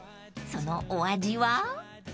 ［そのお味は？］